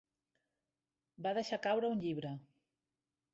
Va deixar caure un llibre.